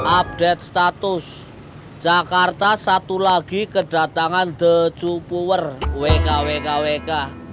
update status jakarta satu lagi kedatangan the cukower wkwkwk